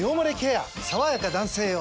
さわやか男性用」